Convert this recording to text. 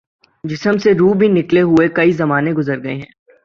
جسم سے روح بھی نکلےہوئے کئی زمانے گزر گے ہیں